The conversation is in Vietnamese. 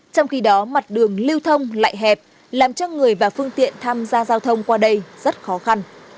trong khi đó mặt đường lưu thông lại hẹp làm cho người và phương tiện tham gia giao thông qua đây rất khó khăn